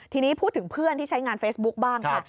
ทีนี้พูดถึงเพื่อนที่ใช้งานเฟซบุ๊คบ้างค่ะ